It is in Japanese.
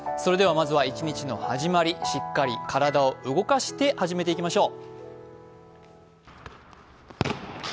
それでは、まずは一日の始まり、しっかり体を動かして始めていきましょう。